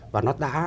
và nó đã